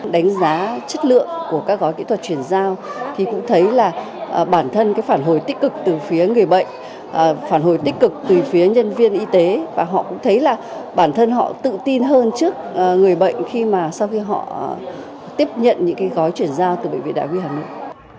đánh giá chất lượng của các gói kỹ thuật chuyển giao thì cũng thấy là bản thân phản hồi tích cực từ phía người bệnh phản hồi tích cực từ phía nhân viên y tế và họ cũng thấy là bản thân họ tự tin hơn trước người bệnh khi mà sau khi họ tiếp nhận những cái gói chuyển giao từ bệnh viện đại huy hà nội